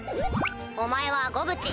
お前は「ゴブチ」。